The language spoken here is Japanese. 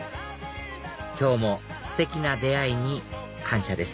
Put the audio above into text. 今日もステキな出会いに感謝です